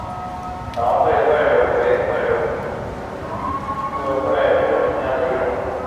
长穗柽柳为柽柳科柽柳属下的一个种。